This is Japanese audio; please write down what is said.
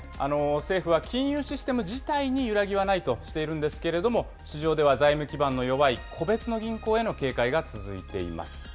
政府は、金融システム自体に揺らぎはないとしているんですけれども、市場では財務基盤の弱い個別の銀行への警戒が続いています。